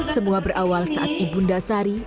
semua berawal saat ibunda sari